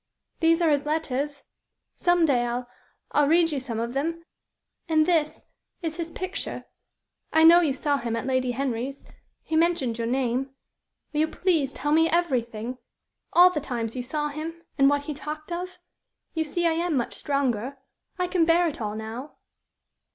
"These are his letters. Some day I'll I'll read you some of them; and this is his picture. I know you saw him at Lady Henry's. He mentioned your name. Will you please tell me everything all the times you saw him, and what he talked of? You see I am much stronger. I can bear it all now."